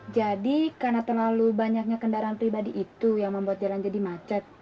jadi karena terlalu banyaknya kendaraan pribadi itu yang membuat jalan jadi macet